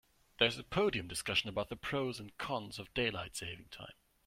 There's a podium discussion about the pros and cons of daylight saving time.